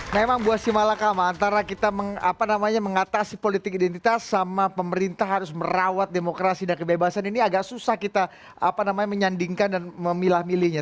memang buat si malakama antara kita mengatasi politik identitas sama pemerintah harus merawat demokrasi dan kebebasan ini agak susah kita menyandingkan dan memilah milihnya